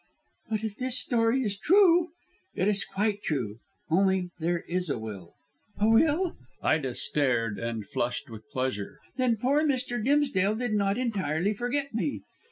"But if this story is true " "It's quite true, only there is a will." "A will?" Ida stared and flushed with pleasure. "Then poor Mr. Dimsdale did not entirely forget me."